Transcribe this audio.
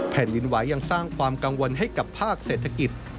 แผ่นดินไหวยังสร้างความกังวลให้กับภาคเศรษฐกิจ